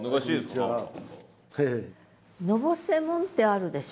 「のぼせもん」ってあるでしょ？